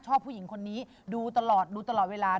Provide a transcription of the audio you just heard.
ซึ่งดูตลอดเวลา